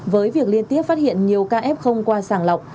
với việc liên tiếp phát hiện nhiều ca f không qua sàng lọc